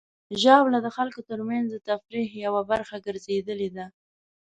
ژاوله د خلکو ترمنځ د تفریح یوه برخه ګرځېدلې ده.